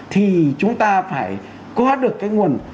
thì chúng ta phải có được cái nguồn